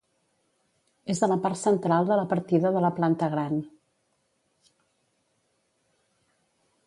És a la part central de la partida de La Planta Gran.